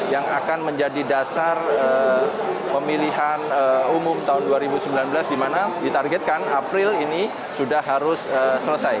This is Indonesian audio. yang akan menjadi dasar pemilihan umum tahun dua ribu sembilan belas di mana ditargetkan april ini sudah harus selesai